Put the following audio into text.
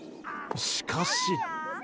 しかし。